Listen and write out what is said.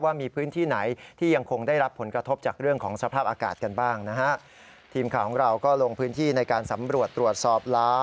ว่ามีพื้นที่ไหนที่ยังคงได้รับผลกระทบ